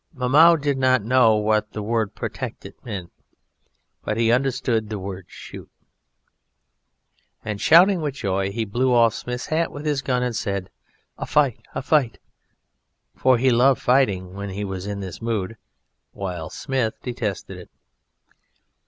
Mahmoud did not know what the word protected meant, but he understood the word shoot, and shouting with joy, he blew off Smith's hat with his gun, and said: "A fight! a fight!" For he loved fighting when he was in this mood, while Smith detested it.